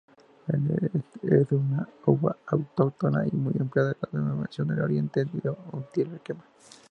Es una uva autóctona y muy empleada en la Denominación de Origen Utiel-Requena.